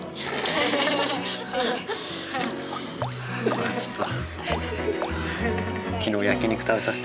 これはちょっと。